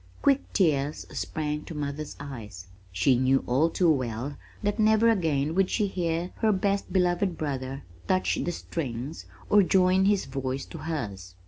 Quick tears sprang to mother's eyes. She knew all too well that never again would she hear her best beloved brother touch the strings or join his voice to hers.